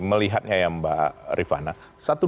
melihatnya ya mbak rifah naya